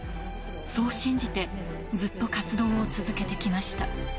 そう信じて、ずっと活動を続けてきました。